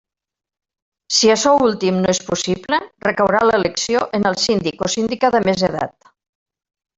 Si açò últim no és possible, recaurà l'elecció en el síndic o síndica de més edat.